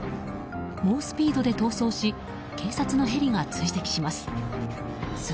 猛スピードで逃走し警察のヘリが追跡します。